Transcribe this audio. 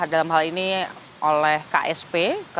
dalam hal ini oleh ksp